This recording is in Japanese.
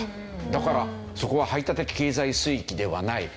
だからそこは排他的経済水域ではない。